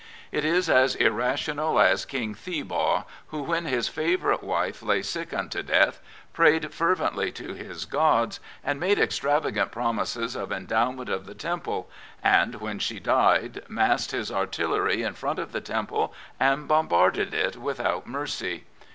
It is as irrational as King Theebaw, who, when his favourite wife lay sick unto death, prayed fervently to his gods and made extravagant promises of endowment of the temple, and, when she died, massed his artillery in front of the temple and bombarded it without mercy.